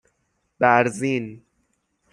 بَرزین